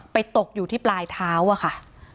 ตกอยู่ที่ปลายเท้าอะค่ะ